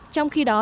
trong khi đó